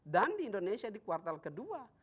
dan di indonesia di kuartal kedua